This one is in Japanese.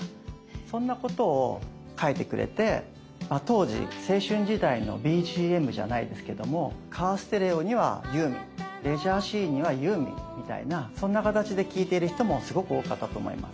そんなことを書いてくれてまあ当時青春時代のＢＧＭじゃないですけどもカーステレオにはユーミンレジャーシーンにはユーミンみたいなそんな形で聞いてる人もすごく多かったと思います。